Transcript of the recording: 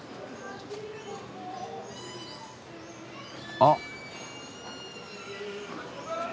・あっ。